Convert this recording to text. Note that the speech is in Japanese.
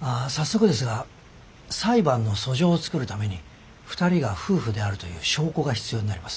ああ早速ですが裁判の訴状を作るために２人が夫婦であるという証拠が必要になります。